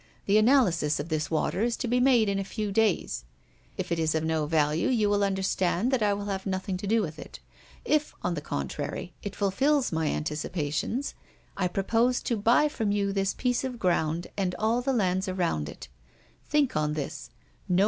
The analysis of this water is to be made in a few days. If it is of no value, you will understand that I will have nothing to do with it; if, on the contrary, it fulfills my anticipations, I propose to buy from you this piece of ground, and all the lands around it. Think on this.